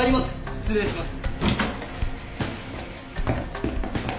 ・失礼します。